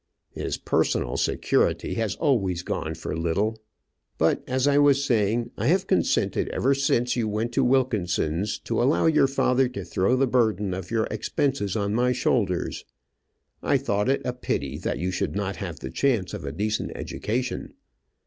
"His personal security has always gone for little. But, as I was saying, I have consented ever since you went to Wilkinson's to allow your father to throw the burthen of your expenses on my shoulders. I thought it a pity that you should not have the chance of a decent education.